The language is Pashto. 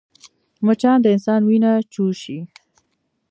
مچان د انسان وینه چوشي